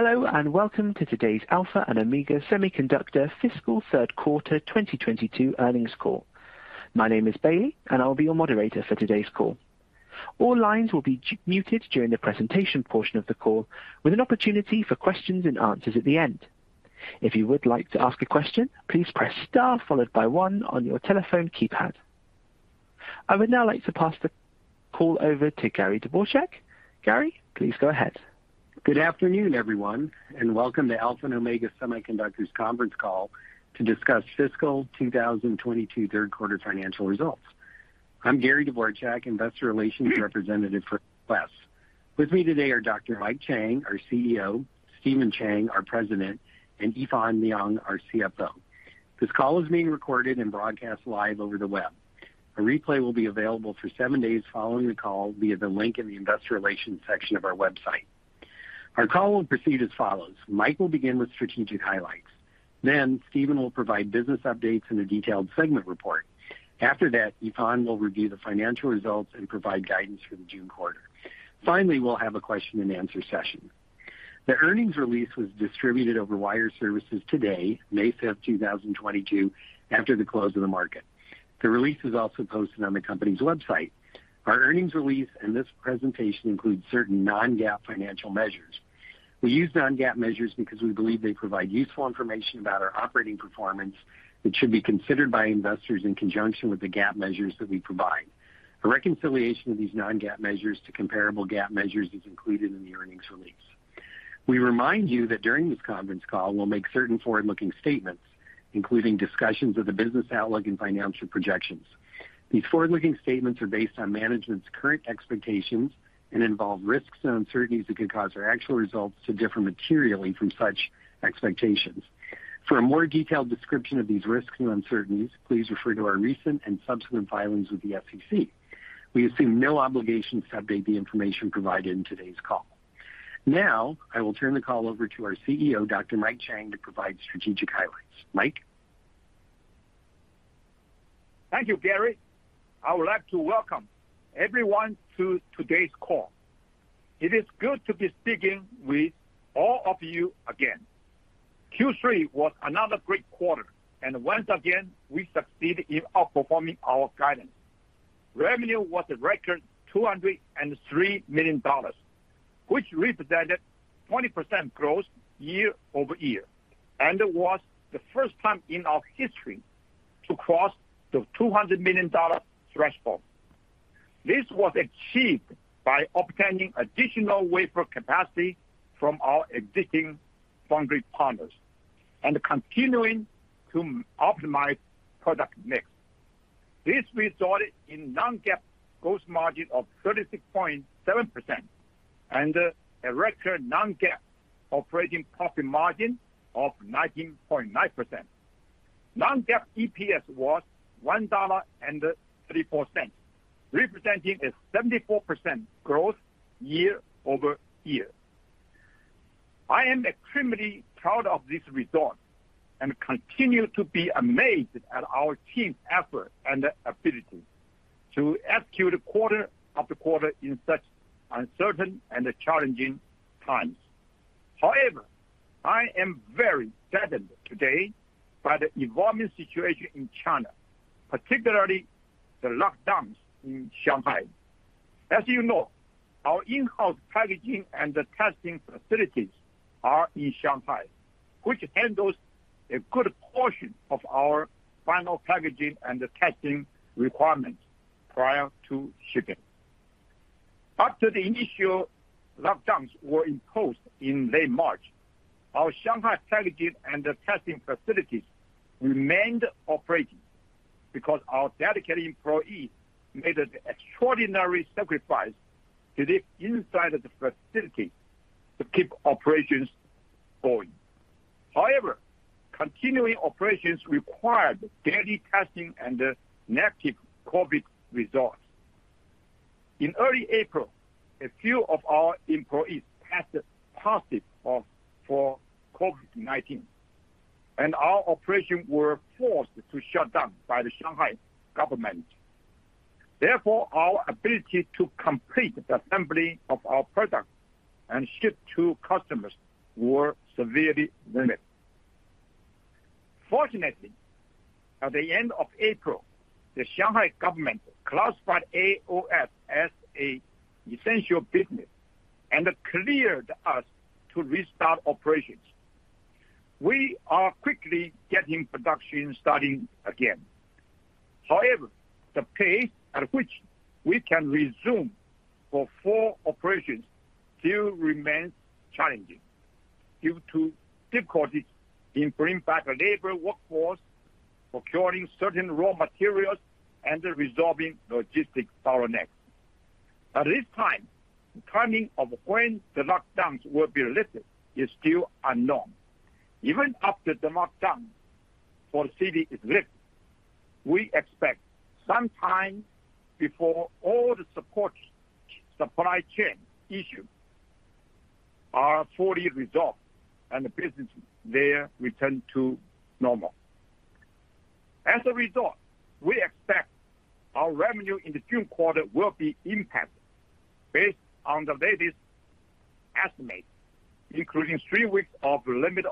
Hello, and welcome to today's Alpha and Omega Semiconductor fiscal third quarter 2022 earnings call. My name is Bailey, and I'll be your moderator for today's call. All lines will be muted during the presentation portion of the call, with an opportunity for questions and answers at the end. If you would like to ask a question, please press Star followed by one on your telephone keypad. I would now like to pass the call over to Gary Dvorchak. Gary, please go ahead. Good afternoon, everyone, and welcome to Alpha and Omega Semiconductor conference call to discuss fiscal 2022 third quarter financial results. I'm Gary Dvorchak, investor relations representative for AOS. With me today are Dr. Mike Chang, our CEO, Stephen Chang, our President, and Yifan Liang, our CFO. This call is being recorded and broadcast live over the web. A replay will be available for seven days following the call via the link in the investor relations section of our website. Our call will proceed as follows. Mike will begin with strategic highlights. Then Stephen will provide business updates and a detailed segment report. After that, Yifan will review the financial results and provide guidance for the June quarter. Finally, we'll have a question-and-answer session. The earnings release was distributed over wire services today, May fifth, 2022, after the close of the market. The release is also posted on the company's website. Our earnings release and this presentation include certain non-GAAP financial measures. We use non-GAAP measures because we believe they provide useful information about our operating performance that should be considered by investors in conjunction with the GAAP measures that we provide. A reconciliation of these non-GAAP measures to comparable GAAP measures is included in the earnings release. We remind you that during this conference call, we'll make certain forward-looking statements, including discussions of the business outlook and financial projections. These forward-looking statements are based on management's current expectations and involve risks and uncertainties that could cause our actual results to differ materially from such expectations. For a more detailed description of these risks and uncertainties, please refer to our recent and subsequent filings with the SEC. We assume no obligation to update the information provided in today's call. Now, I will turn the call over to our CEO, Dr. Mike Chang, to provide strategic highlights. Mike? Thank you, Gary. I would like to welcome everyone to today's call. It is good to be speaking with all of you again. Q3 was another great quarter, and once again, we succeeded in outperforming our guidance. Revenue was a record $203 million, which represented 20% growth year-over-year, and it was the first time in our history to cross the $200 million threshold. This was achieved by obtaining additional wafer capacity from our existing foundry partners and continuing to optimize product mix. This resulted in non-GAAP gross margin of 36.7% and a record non-GAAP operating profit margin of 19.9%. Non-GAAP EPS was $1.34, representing a 74% growth year-over-year. I am extremely proud of this result and continue to be amazed at our team's effort and ability to execute quarter after quarter in such uncertain and challenging times. However, I am very saddened today by the evolving situation in China, particularly the lockdowns in Shanghai. As you know, our in-house packaging and testing facilities are in Shanghai, which handles a good portion of our final packaging and testing requirements prior to shipping. After the initial lockdowns were imposed in late March, our Shanghai packaging and testing facilities remained operating because our dedicated employees made an extraordinary sacrifice to live inside the facility to keep operations going. However, continuing operations required daily testing and negative COVID results. In early April, a few of our employees tested positive for COVID-19, and our operations were forced to shut down by the Shanghai government. Therefore, our ability to complete the assembly of our products and ship to customers were severely limited. Fortunately, at the end of April, the Shanghai government classified AOS as an essential business and cleared us to restart operations. We are quickly getting production starting again. However, the pace at which we can resume for full operations still remains challenging due to difficulties in bringing back the labor workforce, procuring certain raw materials, and resolving logistics bottlenecks. At this time, the timing of when the lockdowns will be lifted is still unknown. Even after the lockdown for the city is lifted, we expect some time before all the support supply chain issues are fully resolved and business there returns to normal. As a result, we expect our revenue in the June quarter will be impacted based on the latest estimate, including three weeks of limited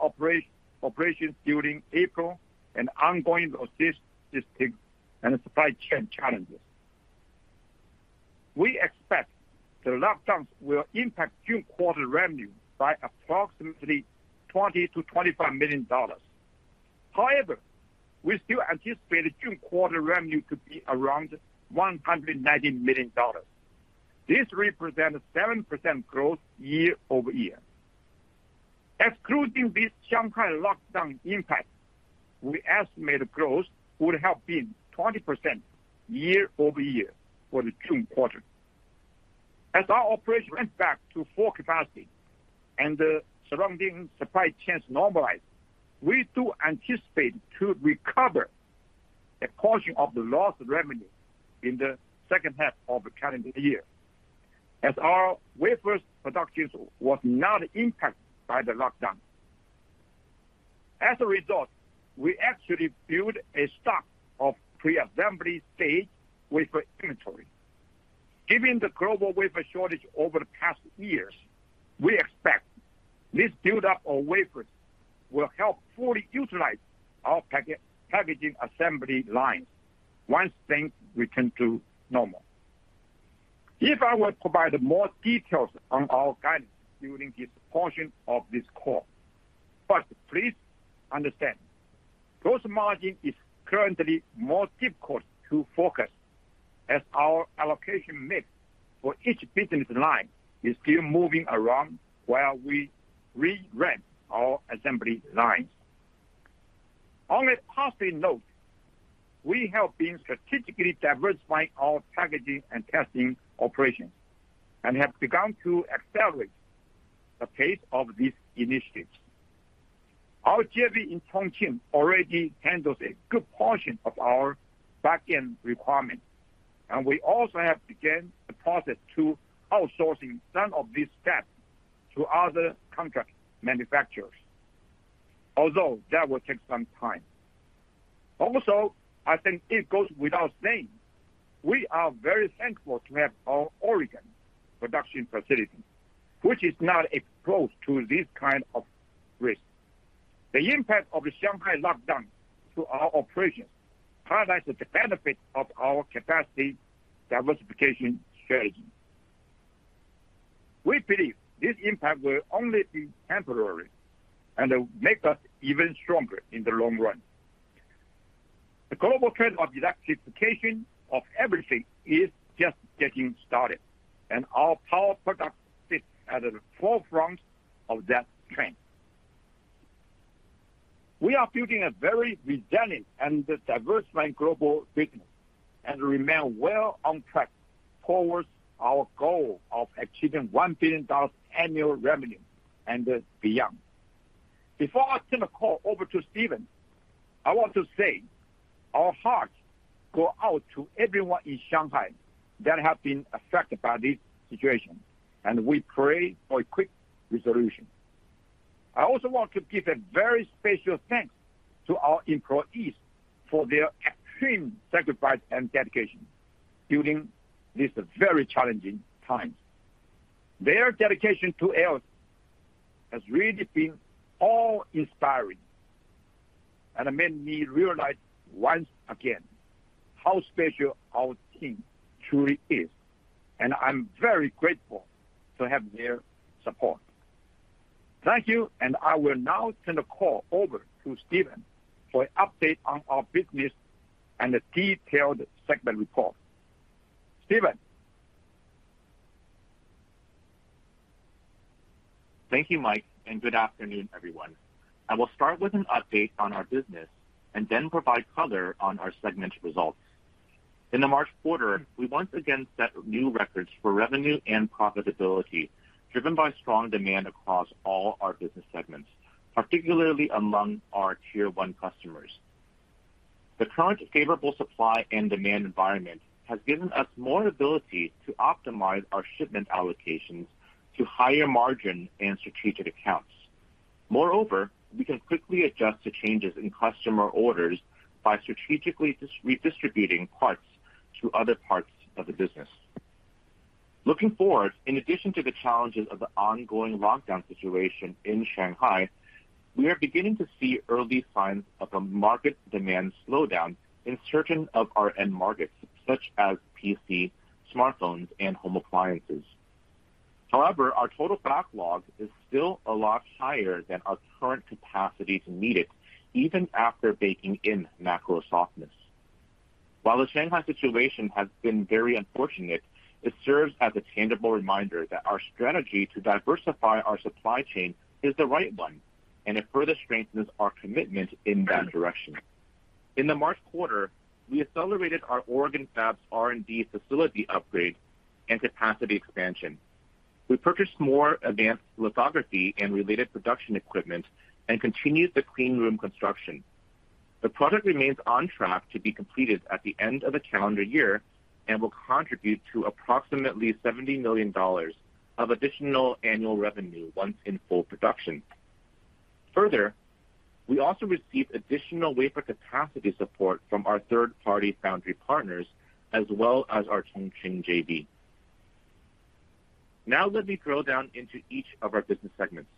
operations during April and ongoing logistics and supply chain challenges. We expect the lockdowns will impact June quarter revenue by approximately $20-25 million. However, we still anticipate June quarter revenue to be around $190 million. This represents 7% growth year-over-year. Excluding this Shanghai lockdown impact, we estimate growth would have been 20% year-over-year for the June quarter. As our operation went back to full capacity and the surrounding supply chains normalized, we do anticipate to recover a portion of the lost revenue in the second half of the calendar year, as our wafer production was not impacted by the lockdown. As a result, we actually build a stock of preassembly stage wafer inventory. Given the global wafer shortage over the past years, we expect this buildup of wafer will help fully utilize our packaging assembly lines once things return to normal. Yifan will provide more details on our guidance during his portion of this call. Please understand, gross margin is currently more difficult to forecast as our allocation mix for each business line is still moving around while we re-ramp our assembly lines. On a positive note, we have been strategically diversifying our packaging and testing operations, and have begun to accelerate the pace of these initiatives. Our Chongqing JV already handles a good portion of our back-end requirement, and we also have begun the process of outsourcing some of these steps to other contract manufacturers, although that will take some time. Also, I think it goes without saying, we are very thankful to have our Oregon production facility, which is not exposed to this kind of risk. The impact of the Shanghai lockdown to our operations highlights the benefit of our capacity diversification strategy. We believe this impact will only be temporary and it will make us even stronger in the long run. The global trend of electrification of everything is just getting started, and our power product sits at the forefront of that trend. We are building a very resilient and diversified global business, and remain well on track towards our goal of achieving $1 billion annual revenue and beyond. Before I turn the call over to Stephen, I want to say our hearts go out to everyone in Shanghai that have been affected by this situation, and we pray for a quick resolution. I also want to give a very special thanks to our employees for their extreme sacrifice and dedication during this very challenging time. Their dedication to us has really been awe inspiring, and it made me realize once again how special our team truly is, and I'm very grateful to have their support. Thank you, and I will now turn the call over to Stephen for an update on our business and a detailed segment report. Stephen? Thank you, Mike, and good afternoon, everyone. I will start with an update on our business and then provide color on our segment results. In the March quarter, we once again set new records for revenue and profitability, driven by strong demand across all our business segments, particularly among our tier one customers. The current favorable supply and demand environment has given us more ability to optimize our shipment allocations to higher margin and strategic accounts. Moreover, we can quickly adjust to changes in customer orders by strategically redistributing parts to other parts of the business. Looking forward, in addition to the challenges of the ongoing lockdown situation in Shanghai, we are beginning to see early signs of a market demand slowdown in certain of our end markets, such as PC, smartphones, and home appliances. However, our total backlog is still a lot higher than our current capacity to meet it, even after baking in macro softness. While the Shanghai situation has been very unfortunate, it serves as a tangible reminder that our strategy to diversify our supply chain is the right one, and it further strengthens our commitment in that direction. In the March quarter, we accelerated our Oregon Fab's R&D facility upgrade and capacity expansion. We purchased more advanced lithography and related production equipment and continued the clean room construction. The project remains on track to be completed at the end of the calendar year and will contribute to approximately $70 million of additional annual revenue once in full production. Further, we also received additional wafer capacity support from our third-party foundry partners, as well as our Chongqing JV. Now let me drill down into each of our business segments.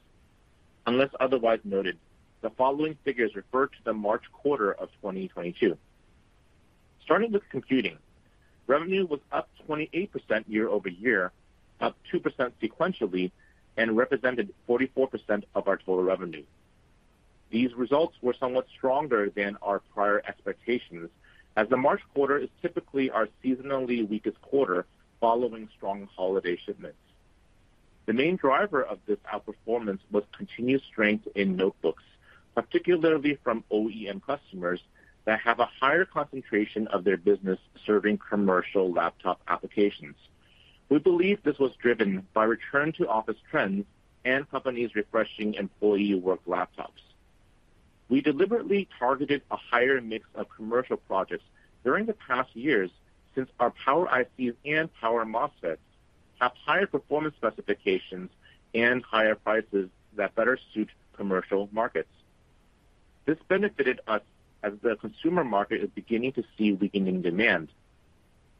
Unless otherwise noted, the following figures refer to the March quarter of 2022. Starting with computing, revenue was up 28% year-over-year, up 2% sequentially, and represented 44% of our total revenue. These results were somewhat stronger than our prior expectations, as the March quarter is typically our seasonally weakest quarter following strong holiday shipments. The main driver of this outperformance was continued strength in notebooks, particularly from OEM customers that have a higher concentration of their business serving commercial laptop applications. We believe this was driven by return to office trends and companies refreshing employee work laptops. We deliberately targeted a higher mix of commercial projects during the past years, since our Power ICs and power MOSFETs have higher performance specifications and higher prices that better suit commercial markets. This benefited us as the consumer market is beginning to see weakening demand.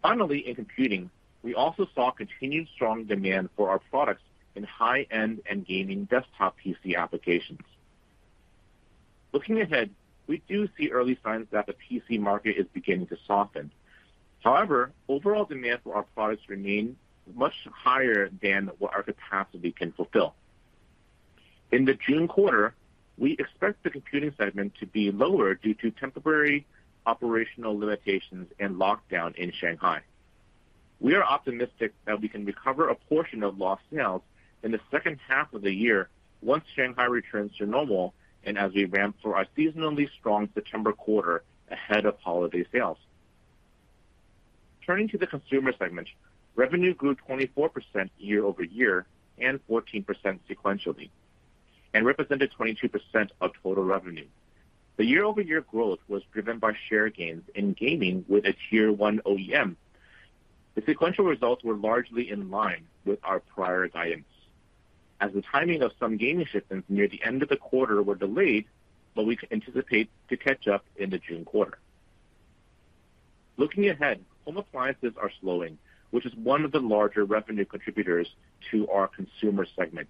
Finally, in computing, we also saw continued strong demand for our products in high-end and gaming desktop PC applications. Looking ahead, we do see early signs that the PC market is beginning to soften. However, overall demand for our products remain much higher than what our capacity can fulfill. In the June quarter, we expect the computing segment to be lower due to temporary operational limitations and lockdown in Shanghai. We are optimistic that we can recover a portion of lost sales in the second half of the year once Shanghai returns to normal and as we ramp for our seasonally strong September quarter ahead of holiday sales. Turning to the consumer segment, revenue grew 24% year-over-year and 14% sequentially and represented 22% of total revenue. The year-over-year growth was driven by share gains in gaming with a tier one OEM. The sequential results were largely in line with our prior guidance, as the timing of some gaming shipments near the end of the quarter were delayed, but we anticipate to catch up in the June quarter. Looking ahead, home appliances are slowing, which is one of the larger revenue contributors to our consumer segment.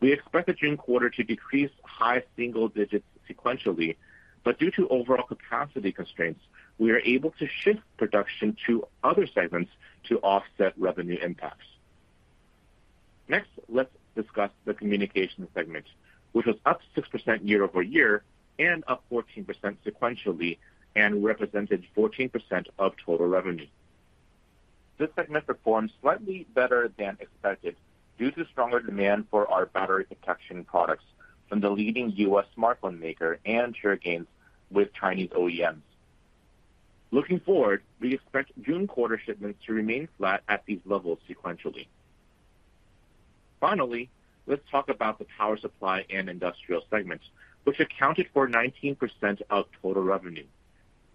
We expect the June quarter to decrease high single digits sequentially, but due to overall capacity constraints, we are able to shift production to other segments to offset revenue impacts. Next, let's discuss the communication segment, which was up 6% year-over-year and up 14% sequentially and represented 14% of total revenue. This segment performed slightly better than expected due to stronger demand for our battery protection products from the leading U.S. smartphone maker and share gains with Chinese OEMs. Looking forward, we expect June quarter shipments to remain flat at these levels sequentially. Finally, let's talk about the Power Supply and Industrial segments, which accounted for 19% of total revenue.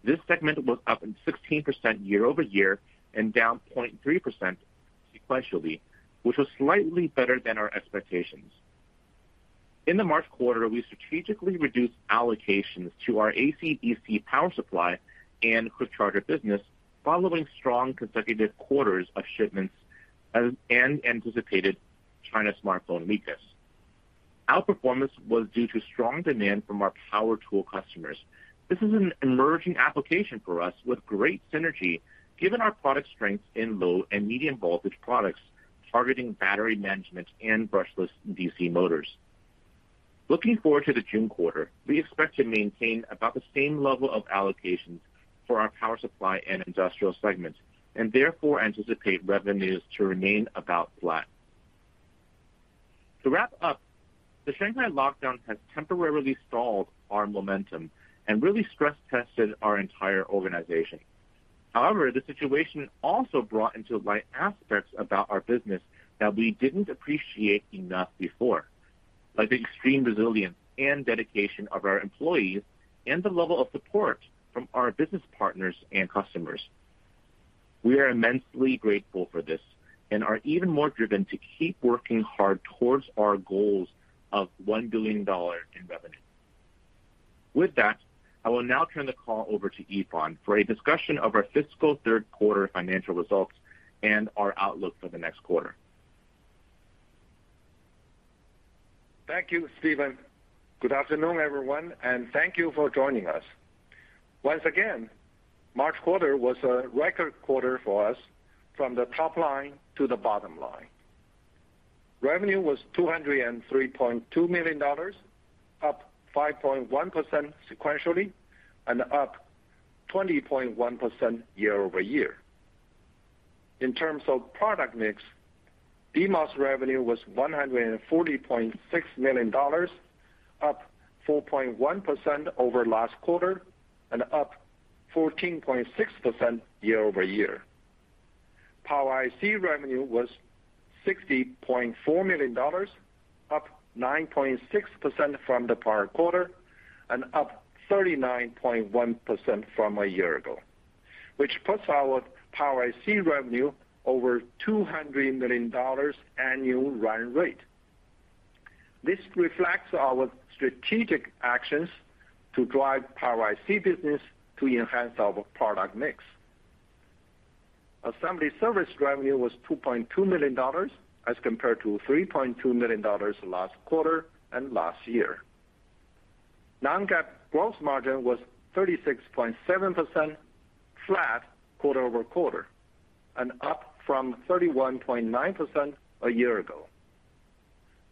This segment was up 16% year-over-year and down 0.3% sequentially, which was slightly better than our expectations. In the March quarter, we strategically reduced allocations to our AC-DC Power Supply and Quick Charger business following strong consecutive quarters of shipments and anticipated China smartphone weakness. Outperformance was due to strong demand from our power tool customers. This is an emerging application for us with great synergy given our product strengths in low and medium voltage products targeting battery management and brushless DC motors. Looking forward to the June quarter, we expect to maintain about the same level of allocations for our power supply and industrial segments, and therefore anticipate revenues to remain about flat. To wrap up, the Shanghai lockdown has temporarily stalled our momentum and really stress tested our entire organization. However, the situation also brought to light aspects about our business that we didn't appreciate enough before, like the extreme resilience and dedication of our employees and the level of support from our business partners and customers. We are immensely grateful for this and are even more driven to keep working hard towards our goals of $1 billion in revenue. With that, I will now turn the call over to Yifan for a discussion of our fiscal third quarter financial results and our outlook for the next quarter. Thank you, Stephen. Good afternoon, everyone, and thank you for joining us. Once again, March quarter was a record quarter for us from the top line to the bottom line. Revenue was $203.2 million, up 5.1% sequentially and up 20.1% year over year. In terms of product mix, DMOS revenue was $140.6 million, up 4.1% over last quarter and up 14.6% year over year. Power IC revenue was $60.4 million, up 9.6% from the prior quarter and up 39.1% from a year ago, which puts our Power IC revenue over $200 million annual run rate. This reflects our strategic actions to drive Power IC business to enhance our product mix. Assembly service revenue was $2.2 million as compared to $3.2 million last quarter and last year. Non-GAAP gross margin was 36.7% flat quarter-over-quarter, and up from 31.9% a year ago.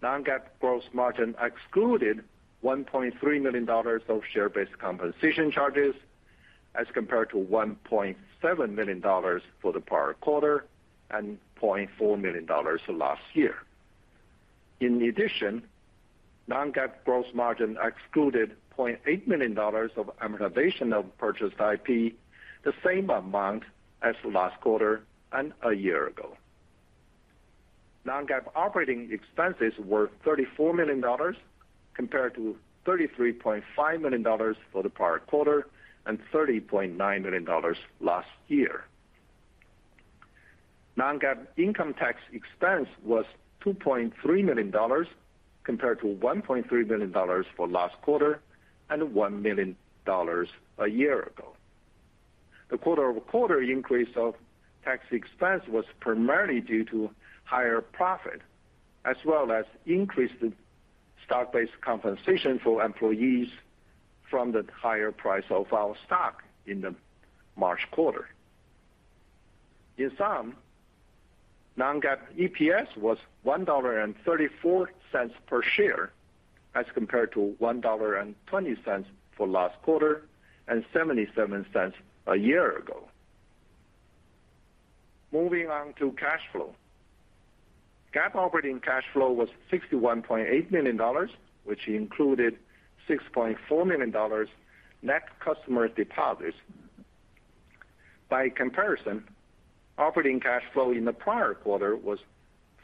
Non-GAAP gross margin excluded $1.3 million of share-based compensation charges as compared to $1.7 million for the prior quarter and $0.4 million last year. In addition, non-GAAP gross margin excluded $0.8 million of amortization of purchased IP, the same amount as last quarter and a year ago. Non-GAAP operating expenses were $34 million compared to $33.5 million for the prior quarter and $30.9 million last year. Non-GAAP income tax expense was $2.3 million compared to $1.3 million for last quarter and $1 million a year ago. The quarter-over-quarter increase of tax expense was primarily due to higher profit, as well as increased stock-based compensation for employees from the higher price of our stock in the March quarter. In sum, non-GAAP EPS was $1.34 per share as compared to $1.20 for last quarter and $0.77 a year ago. Moving on to cash flow. GAAP operating cash flow was $61.8 million, which included $6.4 million net customer deposits. By comparison, operating cash flow in the prior quarter was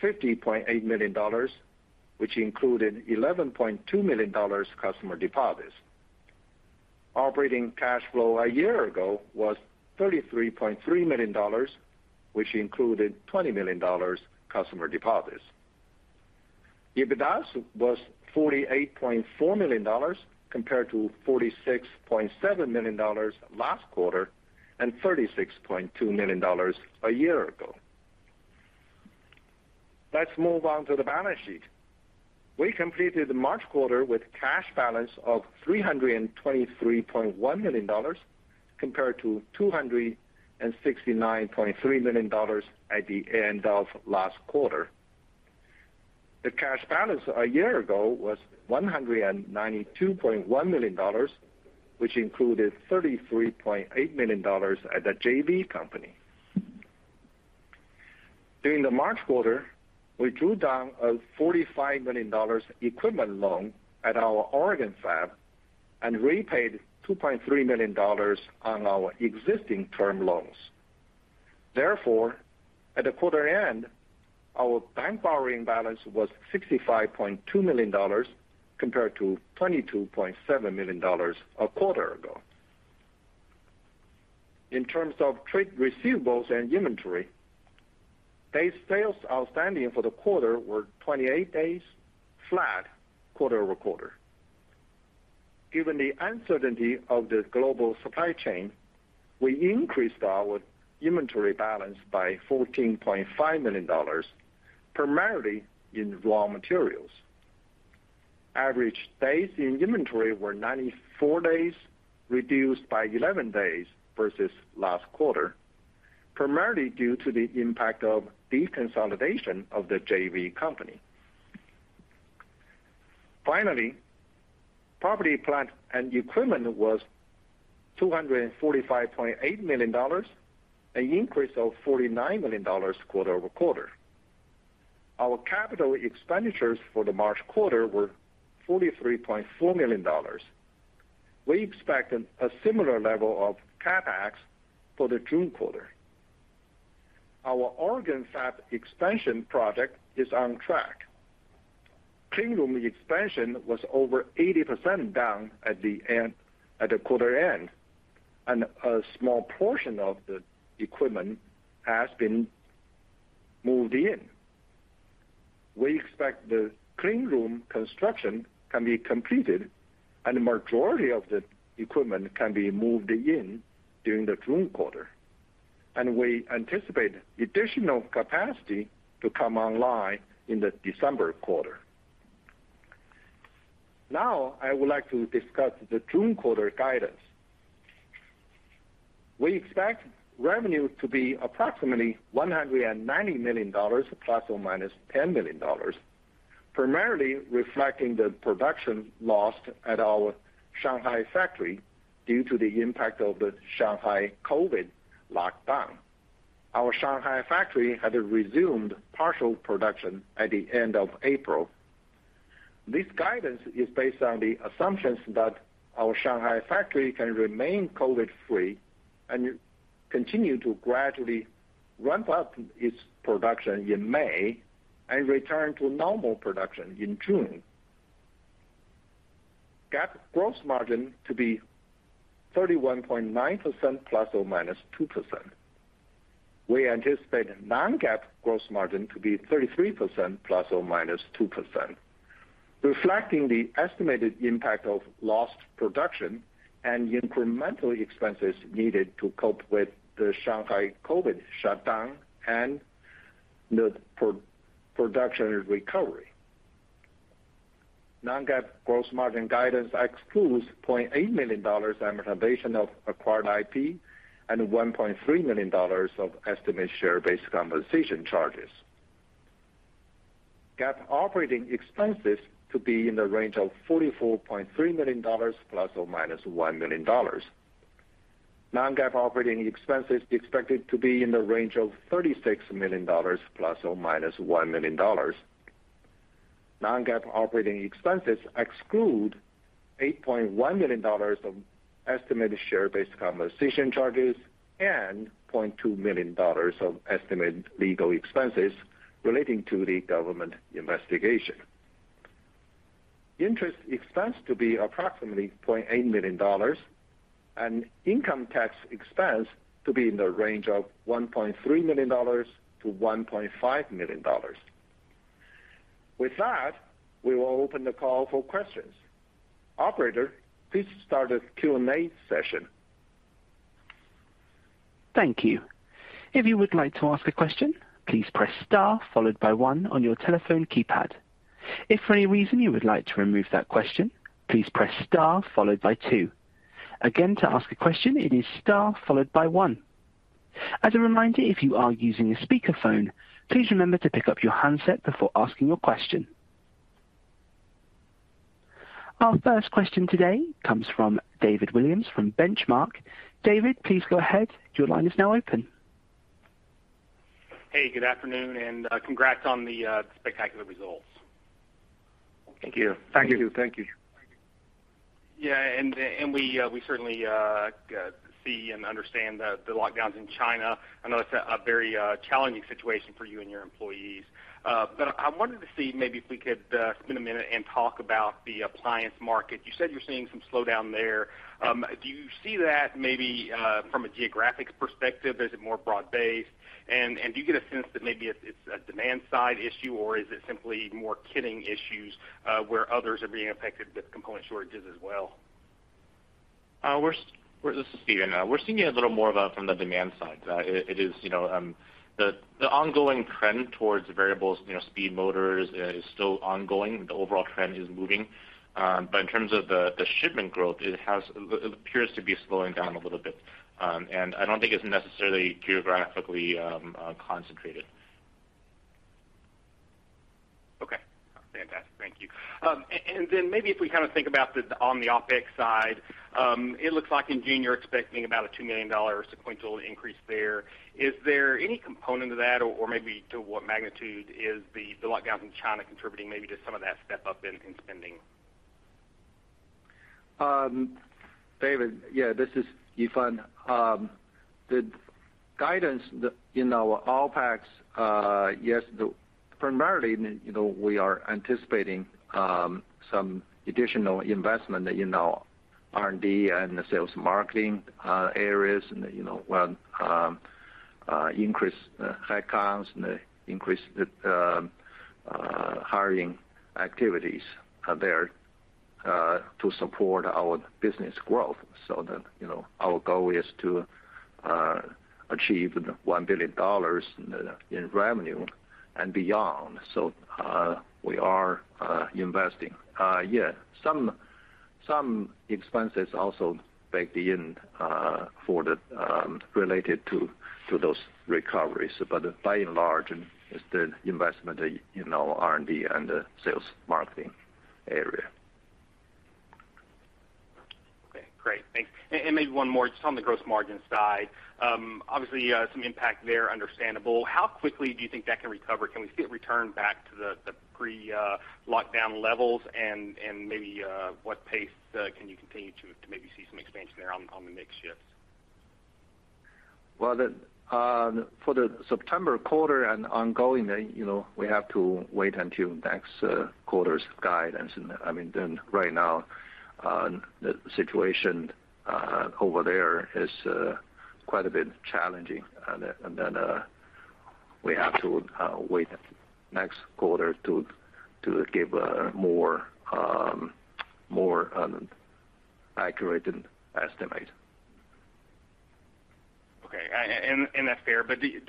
$50.8 million, which included $11.2 million customer deposits. Operating cash flow a year ago was $33.3 million, which included $20 million customer deposits. EBITDA was $48.4 million compared to $46.7 million last quarter, and $36.2 million a year ago. Let's move on to the balance sheet. We completed the March quarter with cash balance of $323.1 million compared to $269.3 million at the end of last quarter. The cash balance a year ago was $192.1 million, which included $33.8 million at the JV company. During the March quarter, we drew down a $45 million equipment loan at our Oregon Fab and repaid $2.3 million on our existing term loans. Therefore, at the quarter end, our bank borrowing balance was $65.2 million compared to $22.7 million a quarter ago. In terms of trade receivables and inventory, days sales outstanding for the quarter were 28 days flat quarter-over-quarter. Given the uncertainty of the global supply chain, we increased our inventory balance by $14.5 million, primarily in raw materials. Average days in inventory were 94 days, reduced by 11 days versus last quarter, primarily due to the impact of deconsolidation of the JV company. Finally, property, plant and equipment was $245.8 million, an increase of $49 million quarter-over-quarter. Our capital expenditures for the March quarter were $43.4 million. We expect a similar level of CapEx for the June quarter. Our Oregon Fab expansion project is on track. Clean room expansion was over 80% done at the end, at the quarter end, and a small portion of the equipment has been moved in. We expect the clean room construction can be completed and the majority of the equipment can be moved in during the June quarter, and we anticipate additional capacity to come online in the December quarter. Now, I would like to discuss the June quarter guidance. We expect revenue to be approximately $190 million ±$10 million, primarily reflecting the production lost at our Shanghai factory due to the impact of the Shanghai COVID lockdown. Our Shanghai factory has resumed partial production at the end of April. This guidance is based on the assumptions that our Shanghai factory can remain COVID-free and continue to gradually ramp up its production in May and return to normal production in June. GAAP gross margin to be 31.9% ±2%. We anticipate non-GAAP gross margin to be 33% ±2%, reflecting the estimated impact of lost production and incremental expenses needed to cope with the Shanghai COVID shutdown and the pro-production recovery. Non-GAAP gross margin guidance excludes $0.8 million amortization of acquired IP and $1.3 million of estimated share-based compensation charges. GAAP operating expenses to be in the range of $44.3 million ±$1 million. Non-GAAP operating expenses expected to be in the range of $36 million ±$1 million. Non-GAAP operating expenses exclude $8.1 million of estimated share-based compensation charges and $0.2 million of estimated legal expenses relating to the government investigation. Interest expense to be approximately $0.8 million and income tax expense to be in the range of $1.3-1.5 million. With that, we will open the call for questions. Operator, please start the Q&A session. Thank you. If you would like to ask a question, please press star followed by one on your telephone keypad. If for any reason you would like to remove that question, please press star followed by two. Again, to ask a question, it is star followed by one. As a reminder, if you are using a speakerphone, please remember to pick up your handset before asking your question. Our first question today comes from David Williams from Benchmark. David, please go ahead. Your line is now open. Hey, good afternoon, and congrats on the spectacular results. Thank you. Thank you. Thank you. Yeah. We certainly see and understand the lockdowns in China. I know it's a very challenging situation for you and your employees. I wanted to see maybe if we could spend a minute and talk about the appliance market. You said you're seeing some slowdown there. Do you see that maybe from a geographic perspective? Is it more broad-based? Do you get a sense that maybe it's a demand side issue, or is it simply more kitting issues, where others are being affected with component shortages as well? This is Stephen. We're seeing it a little more from the demand side. It is, you know, the ongoing trend towards variable speed motors, you know, is still ongoing. The overall trend is moving. In terms of the shipment growth, it appears to be slowing down a little bit. I don't think it's necessarily geographically concentrated. Okay, fantastic. Thank you. Maybe if we kinda think about the OpEx side, it looks like in June you're expecting about a $2 million sequential increase there. Is there any component of that or maybe to what magnitude is the lockdowns in China contributing maybe to some of that step up in spending? David, yeah, this is Yifan. The guidance in our OpEx, yes, primarily, you know, we are anticipating some additional investment in our R&D and sales and marketing areas, and, you know, hiring activities are there to support our business growth so that, you know, our goal is to achieve $1 billion in revenue and beyond. We are investing. Yeah, some expenses also baked in for the related to those recoveries. By and large, it's the investment in our R&D and sales and marketing area. Okay, great. Thanks. Maybe one more just on the gross margin side. Obviously, some impact there. Understandable. How quickly do you think that can recover? Can we see it return back to the pre lockdown levels? Maybe what pace can you continue to maybe see some expansion there on the mix shifts? Well, for the September quarter and ongoing, you know, we have to wait until next quarter's guidance. I mean, then right now, the situation over there is quite a bit challenging. We have to wait next quarter to give a more accurate estimate. Okay. That's fair.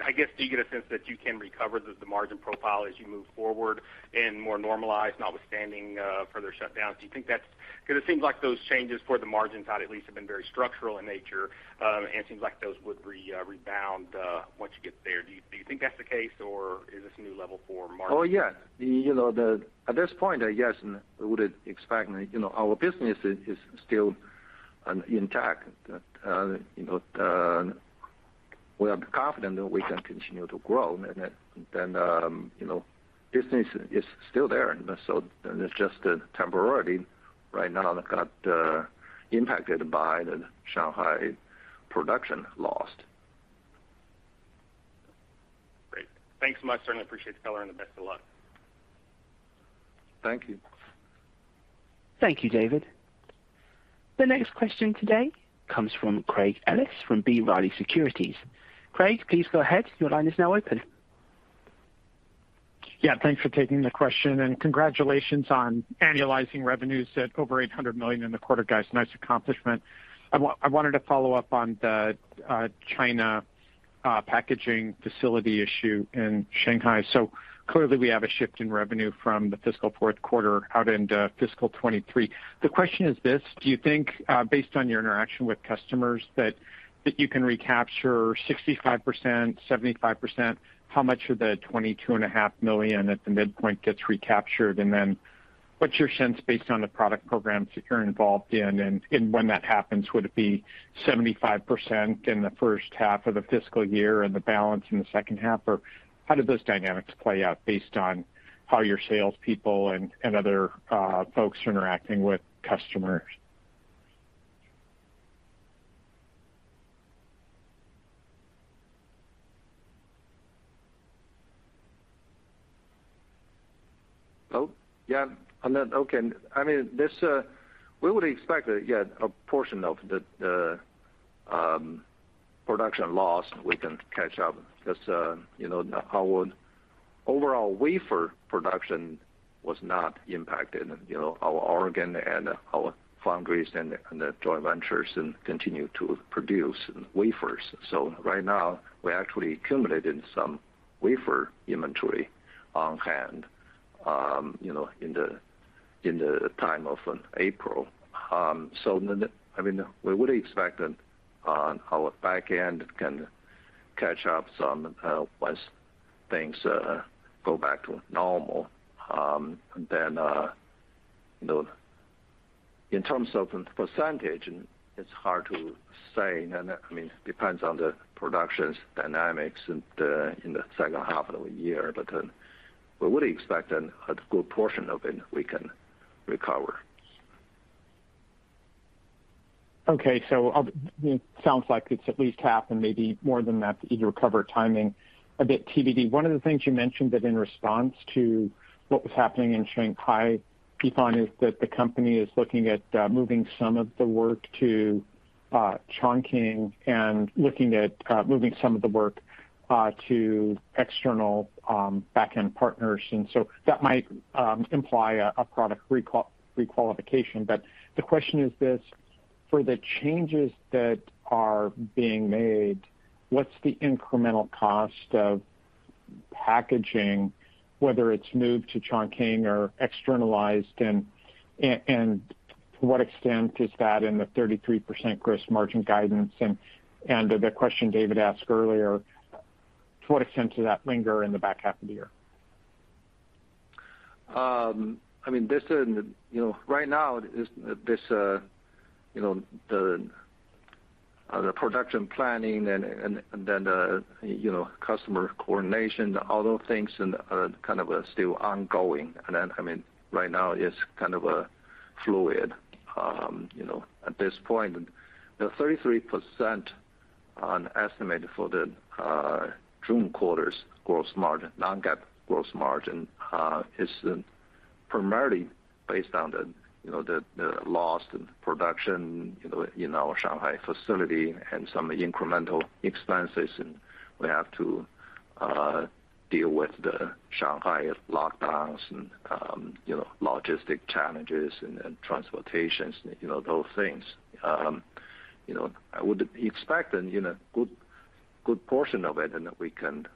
I guess, do you get a sense that you can recover the margin profile as you move forward in more normalized, notwithstanding further shutdowns? Do you think that's the case? 'Cause it seems like those changes for the margin side at least have been very structural in nature, and it seems like those would rebound once you get there. Do you think that's the case or is this a new level for margin? Oh, yes. At this point, yes, we would expect, you know, our business is still intact. We are confident that we can continue to grow. Business is still there. It's just temporarily right now got impacted by the Shanghai production loss. Thanks much. Certainly appreciate it, Yifan, and the best of luck. Thank you. Thank you, David. The next question today comes from Craig Ellis from B. Riley Securities. Craig, please go ahead. Your line is now open. Yeah, thanks for taking the question, and congratulations on annualizing revenues at over $800 million in the quarter, guys. Nice accomplishment. I wanted to follow up on the China packaging facility issue in Shanghai. Clearly we have a shift in revenue from the fiscal fourth quarter out into fiscal 2023. The question is this, do you think, based on your interaction with customers that you can recapture 65%, 75%? How much of the $22.5 million at the midpoint gets recaptured? And then what's your sense based on the product programs that you're involved in and when that happens, would it be 75% in the first half of the fiscal year and the balance in the second half? How do those dynamics play out based on how your salespeople and other folks are interacting with customers? Oh, yeah. Then, okay. I mean, this we would expect, yeah, a portion of the production loss we can catch up because, you know, our overall wafer production was not impacted. You know, our Oregon and our foundries and the joint ventures continue to produce wafers. Right now we actually accumulated some wafer inventory on hand, you know, in the time of April. I mean, we would expect that our back end can catch up some once things go back to normal. You know, in terms of percentage, it's hard to say, and I mean, it depends on the production's dynamics in the second half of the year, but we would expect a good portion of it we can recover. Okay. It sounds like it's at least half and maybe more than that to either recover timing a bit TBD. One of the things you mentioned that in response to what was happening in Shanghai, Yifan, is that the company is looking at moving some of the work to Chongqing and looking at moving some of the work to external back-end partners, and so that might imply a product requalification. The question is this, for the changes that are being made, what's the incremental cost of packaging, whether it's moved to Chongqing or externalized, and to what extent is that in the 33% gross margin guidance? The question David asked earlier, to what extent does that linger in the back half of the year? I mean, you know, right now, you know, the production planning and then, you know, customer coordination, all those things and kind of are still ongoing. I mean, right now it's kind of fluid, you know, at this point. The 33% on estimate for the June quarter's gross margin, non-GAAP gross margin, is primarily based on the, you know, the lost production, you know, in our Shanghai facility and some incremental expenses, and we have to deal with the Shanghai lockdowns and, you know, logistics challenges and transportation, you know, those things. You know, I would expect, you know, good portion of it and that we can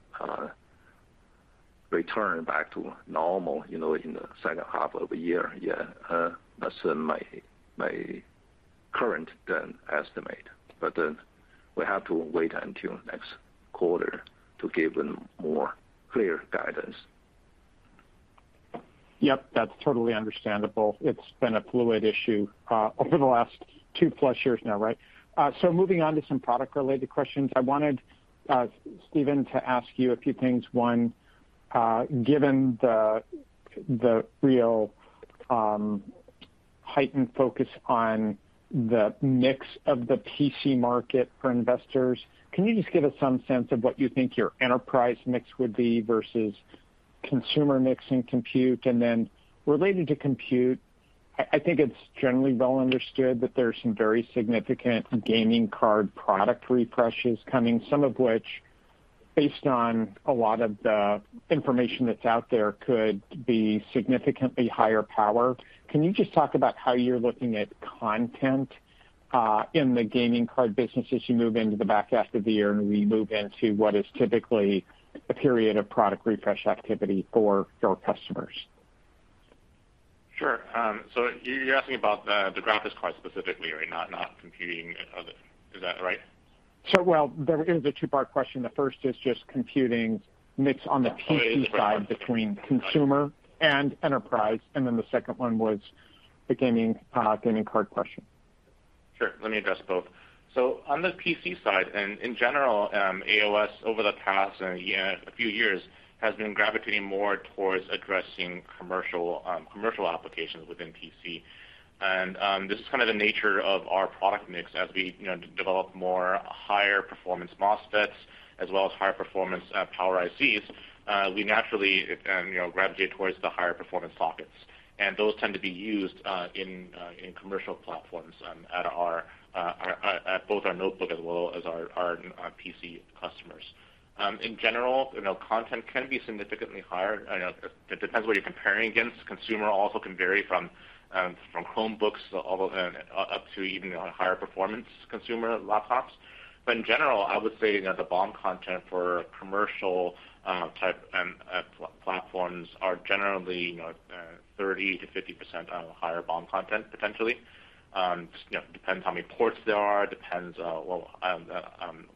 return back to normal, you know, in the second half of the year. Yeah. That's my current then estimate. We have to wait until next quarter to give a more clear guidance. Yep. That's totally understandable. It's been a fluid issue over the last two plus years now, right? Moving on to some product-related questions. I wanted, Steven, to ask you a few things. One, given the real heightened focus on the mix of the PC market for investors, can you just give us some sense of what you think your enterprise mix would be versus consumer mix and compute? Then related to compute, I think it's generally well understood that there's some very significant gaming card product refreshes coming, some of which, based on a lot of the information that's out there, could be significantly higher power. Can you just talk about how you're looking at content in the gaming card business as you move into the back half of the year and we move into what is typically a period of product refresh activity for your customers? Sure. You're asking about the graphics card specifically, right? Is that right? Well, there is a two-part question. The first is just computing mix on the PC side between consumer and enterprise. Then the second one was the gaming card question. Sure. Let me address both. On the PC side and in general, AOS over the past year, a few years, has been gravitating more towards addressing commercial applications within PC. This is kind of the nature of our product mix. As we, you know, develop more higher performance MOSFETs as well as higher performance power ICs, we naturally, you know, gravitate towards the higher performance sockets. Those tend to be used in commercial platforms at both our notebook as well as our PC customers. In general, you know, content can be significantly higher. I know it depends what you're comparing against. Consumer also can vary from Chromebooks all the way up to even higher performance consumer laptops. In general, I would say that the BOM content for commercial type and platforms are generally, you know, 30%-50% higher BOM content potentially. You know, depends how many ports there are, depends, well, on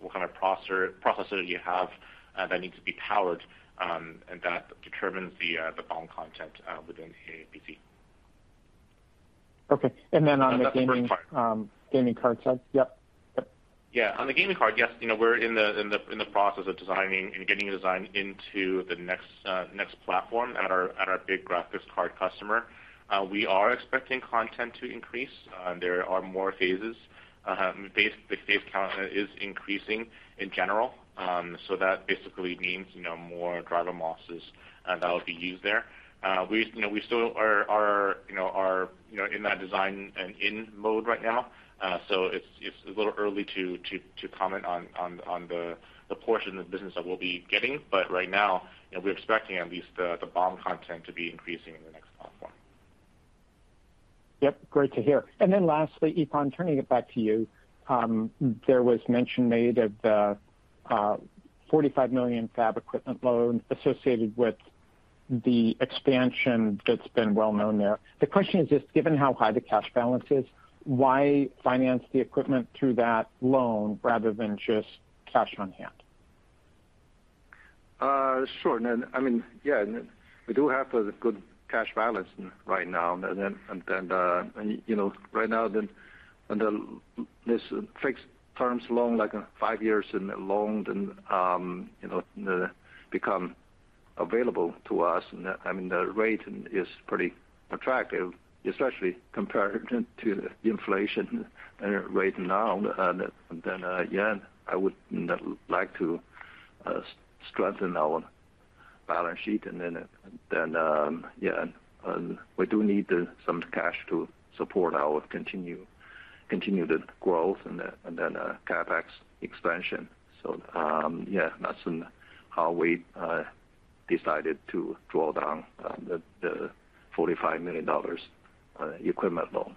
what kind of processor you have that needs to be powered, and that determines the BOM content within a PC. Okay. On the gaming That's the first part. Gaming card side. Yep. Yeah. On the gaming card, yes, you know, we're in the process of designing and getting a design into the next platform at our big graphics card customer. We are expecting content to increase. There are more phases. The phase count is increasing in general. So that basically means, you know, more driver MOSFETs that will be used there. We still are in that design and in mode right now. So it's a little early to comment on the portion of the business that we'll be getting. But right now, you know, we're expecting at least the BOM content to be increasing in the next platform. Yep. Great to hear. Lastly, Yifan, turning it back to you. There was mention made of the $45 million fab equipment loan associated with the expansion that's been well known there. The question is just given how high the cash balance is, why finance the equipment through that loan rather than just cash on hand? Sure. I mean, yeah, we do have a good cash balance right now. You know, this fixed-term loan, like five years in the loan, becomes available to us. I mean, the rate is pretty attractive, especially compared to the inflation rate now. Yeah, I would like to strengthen our balance sheet. Yeah, we do need some cash to support our continued growth and CapEx expansion. Yeah, that's how we decided to draw down the $45 million equipment loan.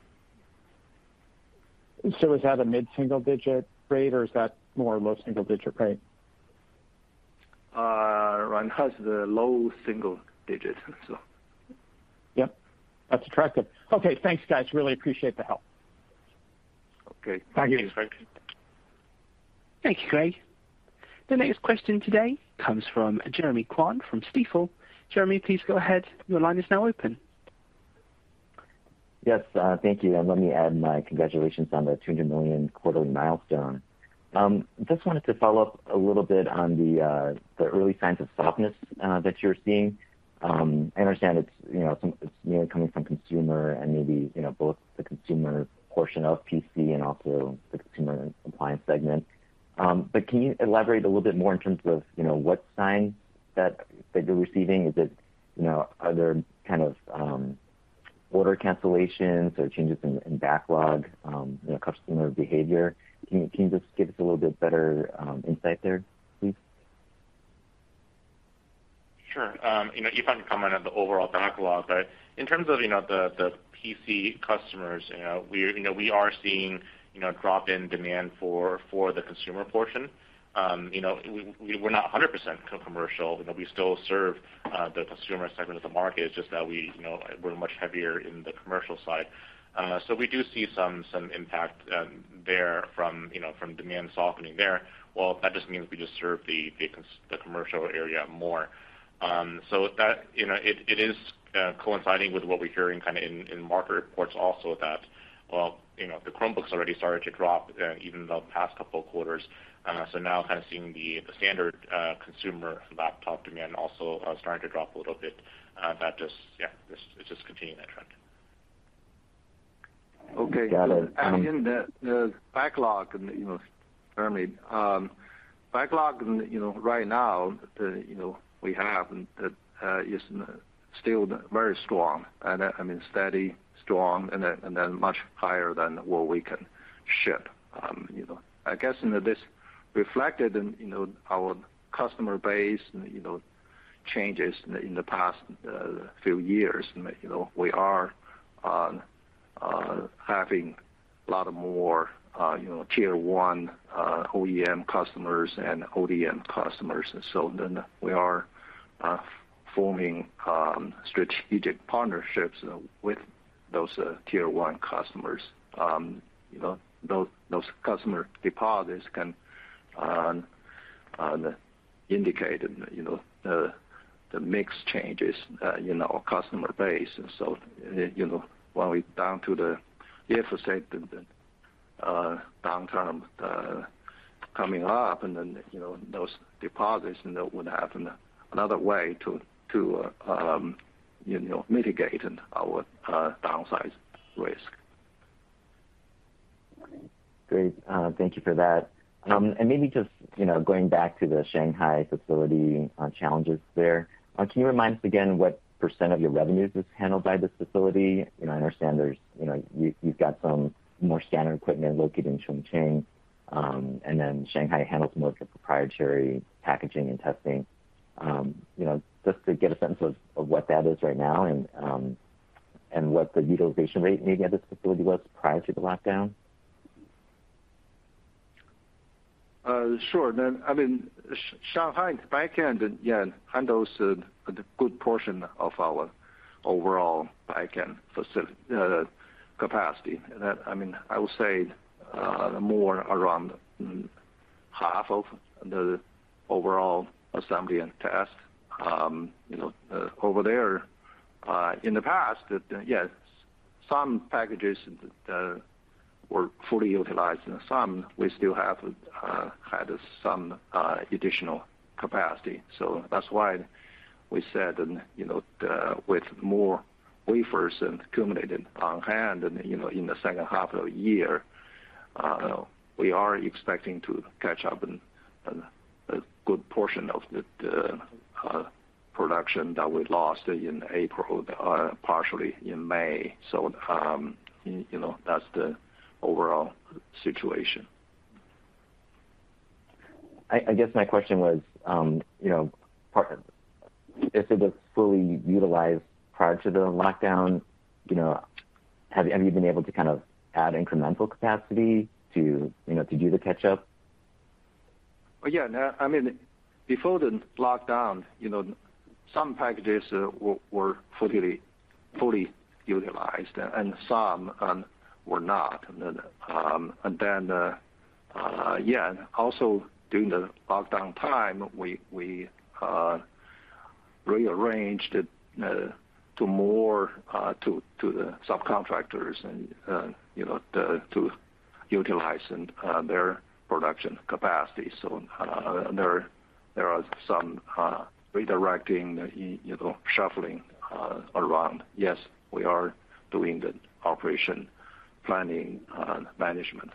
Is that a mid-single digit rate or is that more low single digit rate? It has the low single digits. Yep. That's attractive. Okay. Thanks, guys. Really appreciate the help. Okay. Thank you. Thanks. Thank you, Craig. The next question today comes from Jeremy Kwan from Stifel. Jeremy, please go ahead. Your line is now open. Yes, thank you. Let me add my congratulations on the $200 million quarterly milestone. Just wanted to follow up a little bit on the early signs of softness that you're seeing. I understand it's, you know, coming from consumer and maybe, you know, both the consumer portion of PC and also the consumer appliance segment. Can you elaborate a little bit more in terms of, you know, what signs that you're receiving? Is it, you know, are there kind of order cancellations or changes in backlog, you know, customer behavior? Can you just give us a little bit better insight there, please? Sure. You know, Yifan can comment on the overall backlog, but in terms of the PC customers, you know, we are seeing drop in demand for the consumer portion. You know, we're not 100% commercial. You know, we still serve the consumer segment of the market. It's just that we, you know, we're much heavier in the commercial side. So we do see some impact there from demand softening there. Well, that just means we just serve the commercial area more. So that, you know, it is coinciding with what we're hearing kinda in market reports also that, well, you know, the Chromebooks already started to drop even the past couple of quarters. Now kind of seeing the standard consumer laptop demand also starting to drop a little bit. That just, it's just continuing that trend. Okay. Got it. In the backlog, you know, Jeremy, right now, the backlog is still very strong, I mean, steady, strong, and then much higher than what we can ship, you know. I guess this is reflected in our customer base changes in the past few years. You know, we are having a lot more, you know, tier one OEM customers and ODM customers. We are forming strategic partnerships with those tier one customers. You know, those customer deposits can indicate the mix changes in the customer base. You know, while we're down to the downtime coming up and then, you know, those deposits, you know, would have another way to you know, mitigate our downside risk. Great. Thank you for that. Maybe just, you know, going back to the Shanghai facility challenges there. Can you remind us again what % of your revenues is handled by this facility? You know, I understand there's, you know, you've got some more standard equipment located in Chongqing, and then Shanghai handles most of the proprietary packaging and testing. You know, just to get a sense of what that is right now and what the utilization rate maybe of this facility was prior to the lockdown. Sure. I mean, Shanghai backend, yeah, handles a good portion of our overall backend capacity. I mean, I will say, more around half of the overall assembly and test, you know, over there. In the past, yes, some packages were fully utilized, and some we still had some additional capacity. That's why we said, you know, with more wafers accumulated on hand and, you know, in the second half of the year, we are expecting to catch up on a good portion of the production that we lost in April, partially in May. You know, that's the overall situation. I guess my question was, you know, if it was fully utilized prior to the lockdown, you know, have you been able to kind of add incremental capacity to, you know, to do the catch-up? No, I mean, before the lockdown, you know, some packages were fully utilized and some were not. Yeah, also during the lockdown time, we rearranged more to the subcontractors and you know, to utilize their production capacity. There are some redirecting, you know, shuffling around. Yes, we are doing the operation planning and management.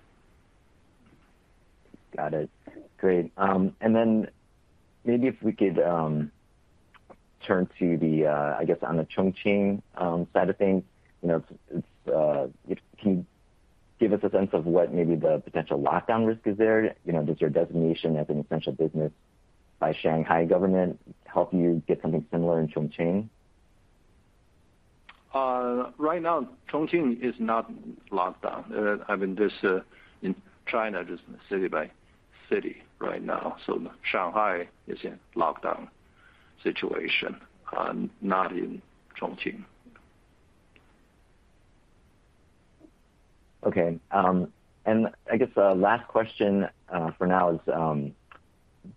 Got it. Great. Maybe if we could turn to the, I guess, on the Chongqing side of things. You know, if you give us a sense of what maybe the potential lockdown risk is there. You know, does your designation as an essential business by Shanghai government help you get something similar in Chongqing? Right now, Chongqing is not locked down. I mean, this in China, just city by city right now. Shanghai is in lockdown situation, not in Chongqing. Okay. I guess last question for now is on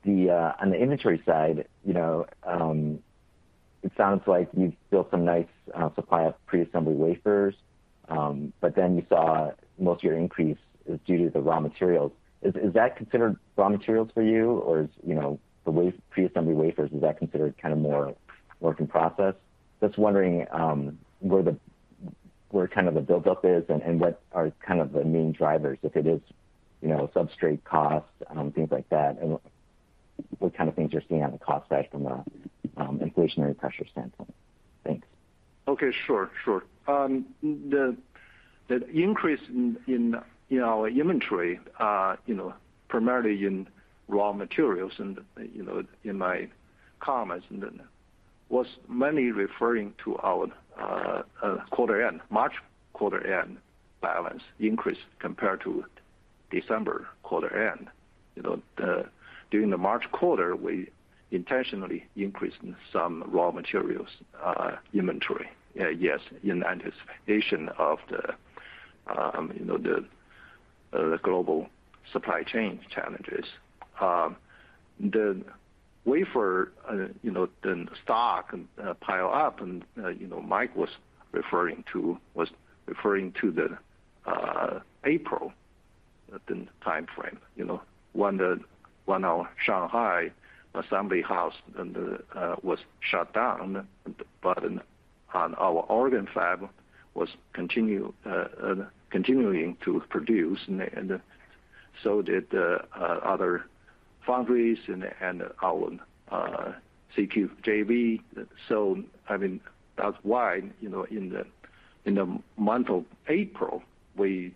the inventory side, you know, it sounds like you've built some nice supply of preassembly wafers, but then you saw most of your increase is due to the raw materials. Is that considered raw materials for you? Or is, you know, the preassembly wafers, is that considered kind of more work in process? Just wondering where kind of the buildup is and what are kind of the main drivers, if it is, you know, substrate costs, things like that, and what kind of things you're seeing on the cost side from a inflationary pressure standpoint. Thanks. Okay. Sure, sure. The increase in our inventory, you know, primarily in raw materials and, you know, in my comments and then was mainly referring to our quarter end, March quarter end balance increase compared to December quarter end. You know, during the March quarter, we intentionally increased some raw materials inventory. Yes, in anticipation of the, you know, the global supply chain challenges. The wafer, you know, the stockpile up and, you know, Mike was referring to the April timeframe. You know, when our Shanghai assembly house was shut down, but our Oregon fab was continuing to produce, and so did other foundries and our CQ JV. I mean, that's why, you know, in the month of April, we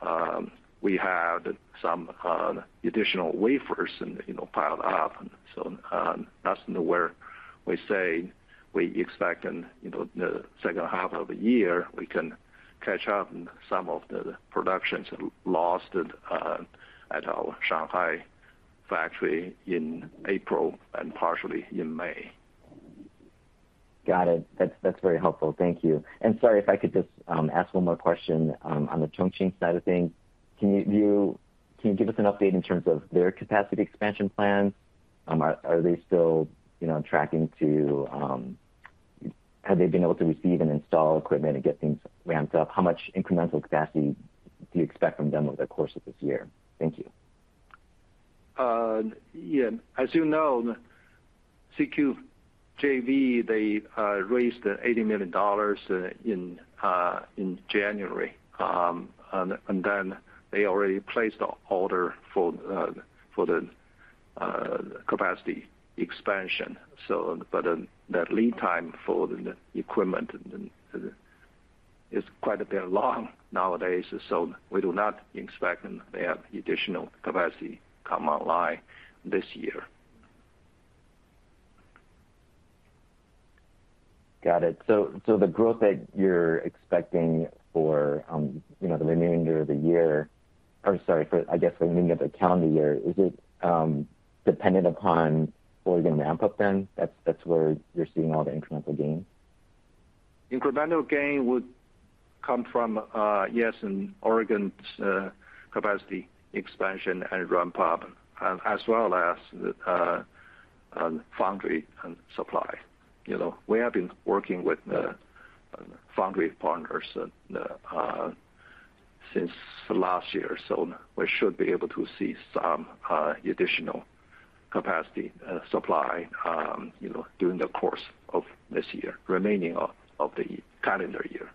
had some additional wafers and, you know, piled up. That's where we say we expect in, you know, the second half of the year, we can catch up on some of the productions lost at our Shanghai factory in April and partially in May. Got it. That's very helpful. Thank you. Sorry if I could just ask one more question on the Chongqing side of things. Can you give us an update in terms of their capacity expansion plans? Have they been able to receive and install equipment and get things ramped up? How much incremental capacity do you expect from them over the course of this year? Thank you. Yeah. As you know, CQ JV, they raised $80 million in January. And then they already placed an order for the capacity expansion. The lead time for the equipment is quite a bit long nowadays. We do not expect they have additional capacity come online this year. Got it. The growth that you're expecting for, you know, the remaining of the calendar year, is it dependent upon Oregon ramp up then? That's where you're seeing all the incremental gains? Incremental gain would come from yes in Oregon's capacity expansion and ramp up, as well as foundry and supply. You know, we have been working with foundry partners since last year, so we should be able to see some additional capacity, supply you know during the course of this year, remaining of the calendar year.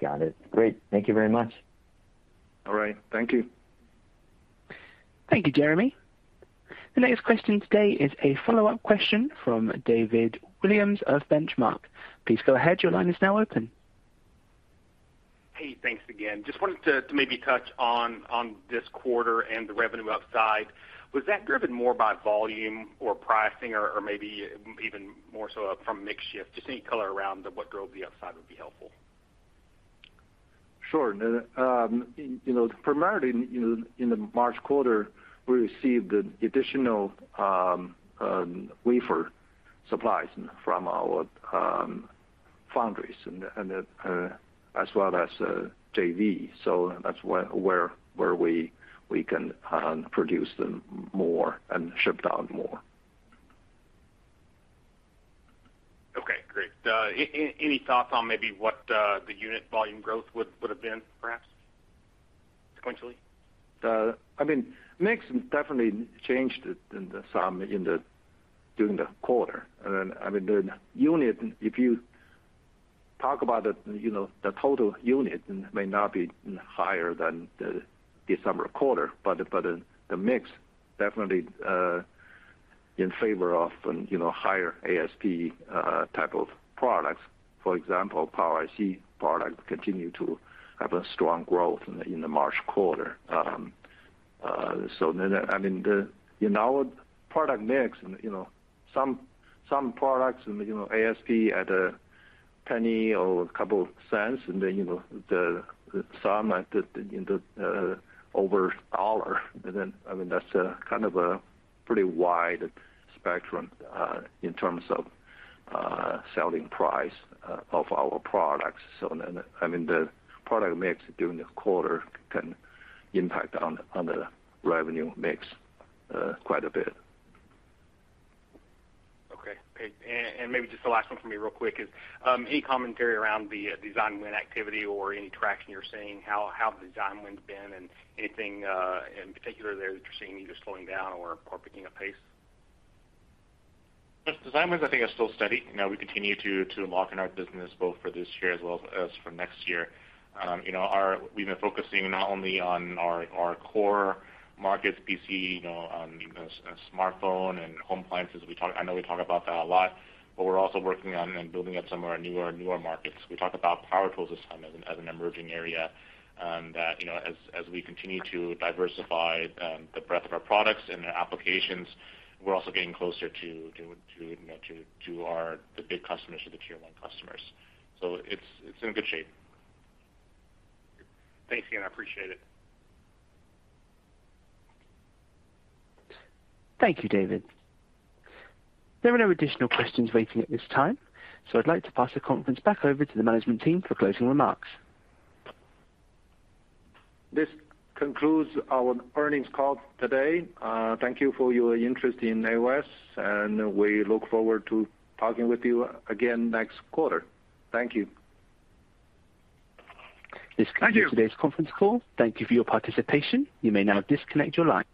Got it. Great. Thank you very much. All right. Thank you. Thank you, Jeremy. The next question today is a follow-up question from David Williams of Benchmark. Please go ahead. Your line is now open. Hey, thanks again. Just wanted to maybe touch on this quarter and the revenue upside. Was that driven more by volume or pricing or maybe even more so from mix shift? Just any color around what drove the upside would be helpful. Sure. You know, primarily in you know in the March quarter, we received additional wafer supplies from our foundries as well as JV. That's where we can produce them more and ship out more. Okay, great. Any thoughts on maybe what the unit volume growth would have been, perhaps, sequentially? I mean, mix definitely changed during the quarter. I mean, the unit, if you talk about the, you know, the total unit may not be higher than the December quarter, but the mix definitely in favor of, you know, higher ASP type of products. For example, Power IC products continue to have a strong growth in the March quarter. I mean, in our product mix and, you know, some products and, you know, ASP at $0.01 or $0.02 and then, you know, the some at the in the over $1. I mean, that's a kind of a pretty wide spectrum in terms of selling price of our products. I mean, the product mix during the quarter can impact on the revenue mix quite a bit. Okay. Maybe just the last one for me real quick is any commentary around the design win activity or any traction you're seeing, how the design win's been and anything in particular that you're seeing either slowing down or picking up pace? Yes. Design wins I think are still steady. You know, we continue to lock in our business both for this year as well as for next year. You know, we've been focusing not only on our core markets, PC, you know, smartphone and home appliances. We talk. I know we talk about that a lot, but we're also working on and building up some of our newer markets. We talked about power tools this time as an emerging area, you know, as we continue to diversify the breadth of our products and the applications, we're also getting closer to the big customers or the tier one customers. It's in good shape. Thanks again. I appreciate it. Thank you, David. There are no additional questions waiting at this time, so I'd like to pass the conference back over to the management team for closing remarks. This concludes our earnings call today. Thank you for your interest in AOS, and we look forward to talking with you again next quarter. Thank you. This concludes. Thank you. Today's conference call. Thank you for your participation. You may now disconnect your line.